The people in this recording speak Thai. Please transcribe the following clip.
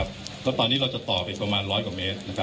คุณผู้ชมไปฟังผู้ว่ารัฐกาลจังหวัดเชียงรายแถลงตอนนี้ค่ะ